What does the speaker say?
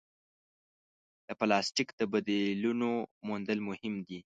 د پلاسټیک د بدیلونو موندل مهم دي.